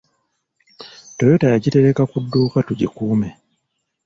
Toyota yagitereka ku dduuka tugikuume.